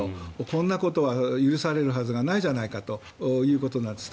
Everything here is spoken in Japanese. こんなことは許されるはずがないじゃないかということなんです。